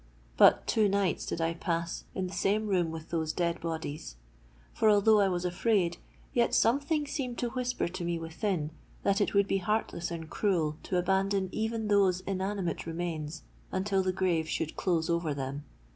But two nights did I pass in the same room with those dead bodies; for, although I was afraid, yet something seemed to whisper to me within, that it would be heartless and cruel to abandon even those inanimate remains until the grave should close over them!